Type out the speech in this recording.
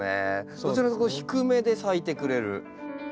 どちらかというと低めで咲いてくれる。